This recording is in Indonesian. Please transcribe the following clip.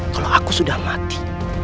kalau aku sudah mati